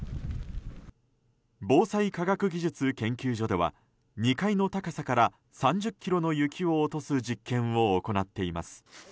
防災科学技術研究所では２階の高さから３０ｋｇの雪を落とす実験を行っています。